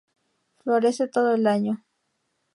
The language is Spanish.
Florece todo el año.